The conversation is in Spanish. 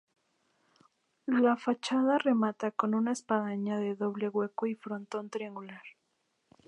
La fachada remata con una espadaña de doble hueco y frontón triangular.